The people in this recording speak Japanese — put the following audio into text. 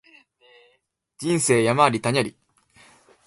人生山あり谷あり